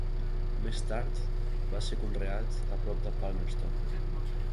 Més tard va ser conreat a prop de Palmerston.